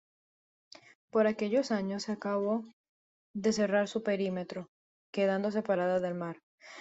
Por aquellos años se acabó por cerrar su perímetro, quedando separada del mar.